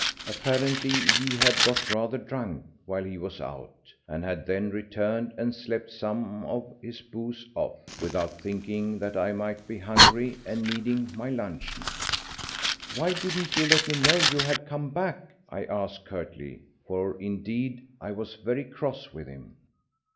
Apparently he had got rather drunk while he was out, and had then returned and slept some of his booze off, without thinking that I might be hungry and needing my luncheon. "Why didn't you let me know you had come back?" I asked curtly, for indeed I was very cross with him.